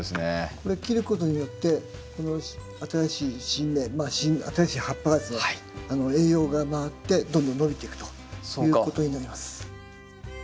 これ切ることによってこの新しい新芽新しい葉っぱがですね栄養が回ってどんどん伸びていくということになります。